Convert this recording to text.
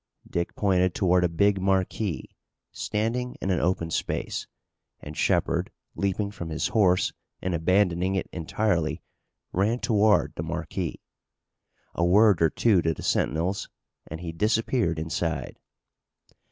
Dick pointed toward a big marquee, standing in an open space, and Shepard leaping from his horse and abandoning it entirely, ran toward the marquee. A word or two to the sentinels, and he disappeared inside.